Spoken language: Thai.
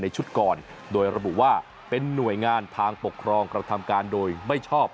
ชุดก่อนโดยระบุว่าเป็นหน่วยงานทางปกครองกระทำการโดยไม่ชอบ